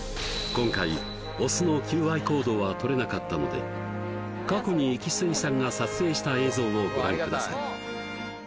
今回オスの求愛行動は撮れなかったので過去にイキスギさんが撮影した映像をご覧ください